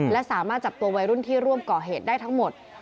และสามารถจับตัววัยรุ่นที่ร่วมก่อเหตุได้ทั้งหมด